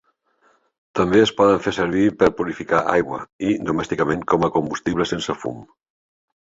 També es poden fer servir per purificar aigua i, domèsticament, com a combustible sense fum.